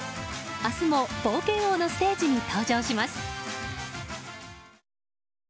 明日も冒険王のステージに登場します。